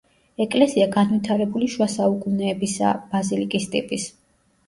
ეკლესია განვითარებული შუა საუკუნეებისაა, ბაზილიკის ტიპის.